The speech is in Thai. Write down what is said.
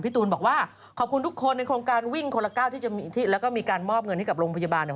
ตูนบอกว่าขอบคุณทุกคนในโครงการวิ่งคนละ๙ที่จะมีที่แล้วก็มีการมอบเงินให้กับโรงพยาบาลเนี่ย